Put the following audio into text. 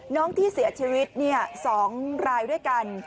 น้องที่เสียชีวิต๒รายด้วยกัน